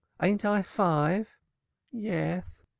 Ain't I five?" "Yeth."